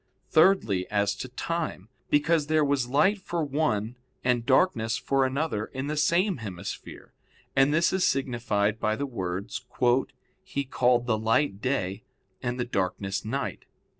Thirdly, as to time; because there was light for one and darkness for another in the same hemisphere; and this is signified by the words, "He called the light day, and the darkness night."